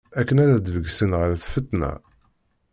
Akken ad d-beggsen ɣer lfetna.